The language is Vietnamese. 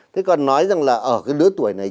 thế còn nói rằng là ở cái lứa tuổi này